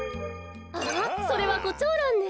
あっそれはコチョウランね。